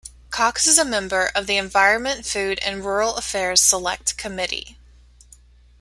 Cox is a member of the Environment, Food and Rural Affairs Select Committee.